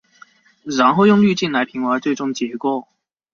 然后用滤波来平滑最终结果。